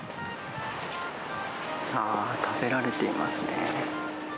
あー、食べられてますね。